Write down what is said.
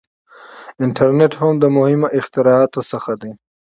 • انټرنېټ هم د مهمو اختراعاتو څخه دی.